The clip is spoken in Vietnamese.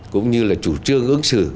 cũng như là chủ trương ứng xử